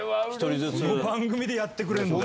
この番組でやってくれるんだ。